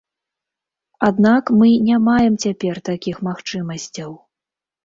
Аднак мы не маем цяпер такіх магчымасцяў.